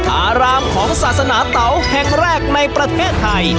อารามของศาสนาเตาแห่งแรกในประเทศไทย